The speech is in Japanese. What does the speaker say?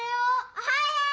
おはよう！